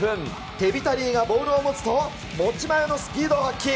テビタ・リーがボールを持つと、持ち前のスピードを発揮。